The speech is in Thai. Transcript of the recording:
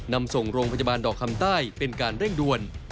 นำส่งโรงพยาบาลดอกคำใต้เป็นการเร่งด่วน